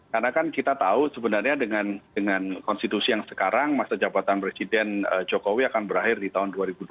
karena kan kita tahu sebenarnya dengan konstitusi yang sekarang masa jabatan presiden jokowi akan berakhir di tahun dua ribu dua puluh empat